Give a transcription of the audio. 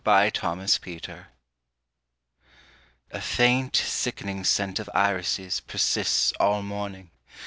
SCENT OF IRISES A FAINT, sickening scent of irises Persists all morning.